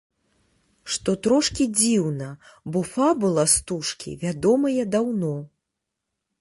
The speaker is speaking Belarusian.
Што трошкі дзіўна, бо фабула стужкі вядомая даўно.